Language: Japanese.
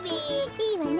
いいわね。